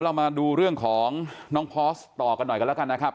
เรามาดูเรื่องของน้องพอสต่อกันหน่อยกันแล้วกันนะครับ